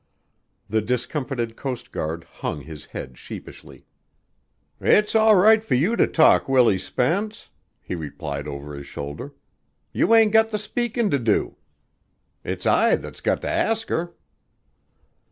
The discomfited coast guard hung his head sheepishly. "It's all right for you to talk, Willie Spence," he replied over his shoulder. "You ain't got the speakin' to do. It's I that's got to ask her."